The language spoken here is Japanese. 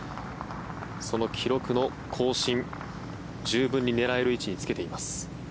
その記録の更新十分に狙える位置につけています。